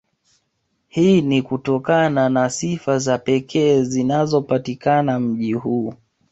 Hii ni kutokana na sifa za pekee zinazopatikana mji huu